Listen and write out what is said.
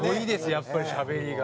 やっぱりしゃべりが。